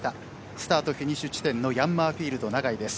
スタート、フィニッシュ地点のヤンマーフィールド長居です。